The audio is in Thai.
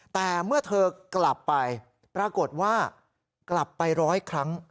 แต่เมื่อเธอกลับไปปรากฏว่ากลับไปร้อยครั้ง